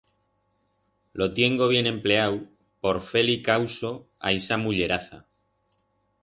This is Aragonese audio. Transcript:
Lo tiengo bien empleau por fer-li causo a ixa mulleraza.